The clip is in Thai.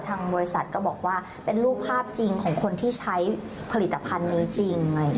ทางบริษัทก็บอกว่าเป็นรูปภาพจริงของคนที่ใช้ผลิตภัณฑ์นี้จริง